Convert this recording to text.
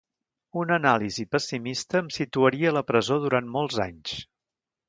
Una anàlisi pessimista em situaria a la presó durant molts anys.